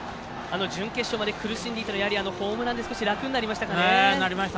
準決勝まで苦しんでいたところあのホームランで楽になりましたかね。